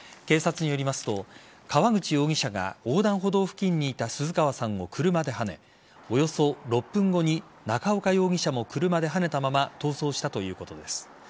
警察によりますと川口容疑者が横断歩道付近にいた鈴川さんを車ではねおよそ６分後に中岡容疑者も車ではねたまま逃走したということです。